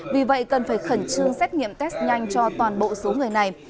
vì vậy cần phải khẩn trương xét nghiệm test nhanh cho toàn bộ số người này